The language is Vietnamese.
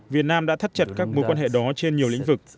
việt nam đã thắt chặt các mối quan hệ đó trên nhiều lĩnh vực